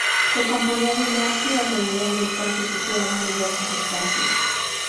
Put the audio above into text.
Se componía de un atrio, alrededor del cual se situaban diversos espacios.